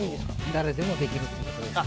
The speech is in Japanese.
誰でもできるってことですね。